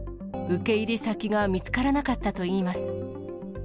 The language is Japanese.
受け入れ先が見つからなかったといいます。